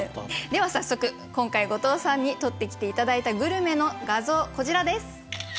では早速今回後藤さんに撮ってきて頂いたグルメの画像こちらです。